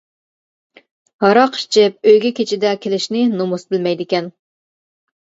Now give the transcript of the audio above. ھاراق ئىچىپ، ئۆيگە كېچىدە كېلىشنى نومۇس بىلمەيدىكەن.